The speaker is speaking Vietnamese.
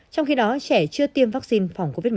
trong khi đó trẻ chưa tiêm vaccine phòng covid một mươi